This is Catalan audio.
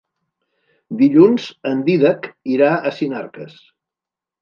Dilluns en Dídac irà a Sinarques.